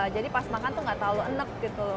jadi pas makan tuh gak terlalu enek gitu loh